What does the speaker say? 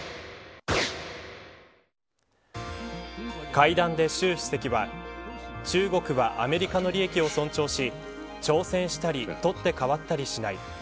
会談で習主席は中国はアメリカの利益を尊重し挑戦したり取って代わったりしない。